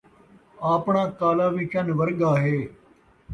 آپݨا کالا وی چن ورڳا ہے